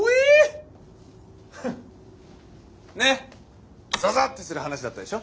ねっゾゾッてする話だったでしょ？